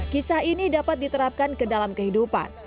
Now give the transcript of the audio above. kisah ini dapat diterapkan ke dalam kehidupan